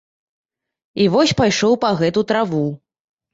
І вось пайшоў па гэту траву.